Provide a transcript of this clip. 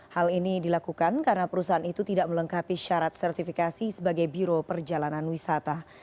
hal ini dilakukan karena perusahaan itu tidak melengkapi syarat sertifikasi sebagai biro perjalanan wisata